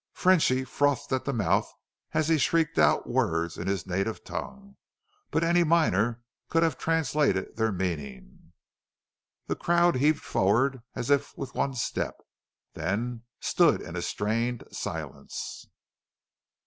Frenchy frothed at the mouth as he shrieked out words in his native tongue, but any miner there could have translated their meaning. The crowd heaved forward, as if with one step, then stood in a strained silence.